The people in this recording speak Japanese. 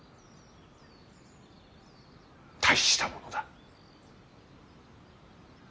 大したものだ。